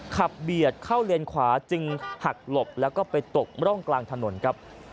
เบียดเข้าเลนขวาจึงหักหลบแล้วก็ไปตกร่องกลางถนนครับ